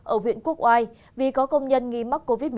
ở huyện quốc oai vì có công nhân nghi mắc covid một mươi chín